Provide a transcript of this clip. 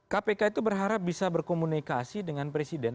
kpk itu berharap bisa berkomunikasi dengan presiden